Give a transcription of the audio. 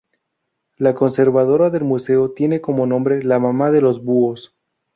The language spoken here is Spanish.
La conservadora del Museo tiene como nombre "la mamá de los búhos".